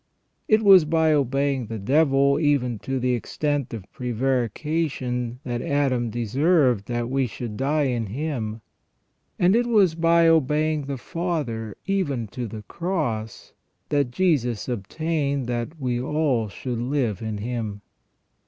It was by obeying the devil even to the extent of prevarication that Adam deserved that we should die in him ; and it was by obeying the Father even to the Cross that Jesus obtained that we all should live in Him.